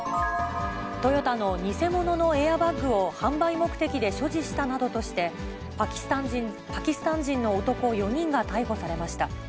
トヨタの偽物のエアバッグを販売目的で所持したなどとして、パキスタン人の男４人が逮捕されました。